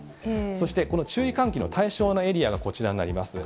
そしてこの注意喚起の対象のエリアがこちらになります。